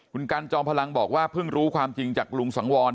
คุณกันจอมพลังบอกว่าเพิ่งรู้ความจริงจากลุงสังวร